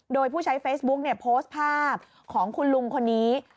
โดยผู้ใช้เฟซบุ๊กโพสต์ภาพของคุณลุงคนนี้